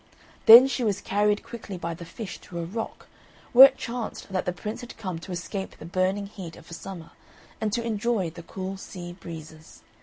Then she was carried quickly by the fish to a rock, where it chanced that the Prince had come to escape the burning heat of a summer, and to enjoy the cool sea breezes.